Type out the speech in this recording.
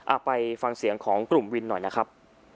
ไปฟังเสียงของกลุ่มวินหน่อยนะครับ